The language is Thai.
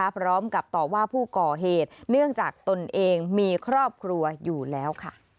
พร้อมกับต่อว่าผู้ก่อเหตุเนื่องจากตนเองมีครอบครัวอยู่แล้ว